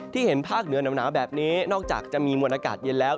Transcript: เห็นภาคเหนือหนาวแบบนี้นอกจากจะมีมวลอากาศเย็นแล้ว